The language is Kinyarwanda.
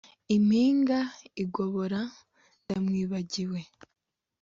impinga igobora ndamwibagiwe,